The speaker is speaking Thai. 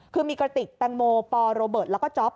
คือมีกระติกแตงโมปอโรเบิร์ตแล้วก็จ๊อป